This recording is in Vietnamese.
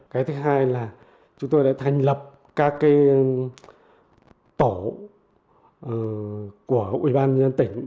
cái thứ hai là chúng tôi đã thành lập các tổ của ubnd tỉnh